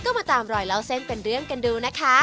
ก็มาตามรอยเล่าเส้นเป็นเรื่องกันดูนะคะ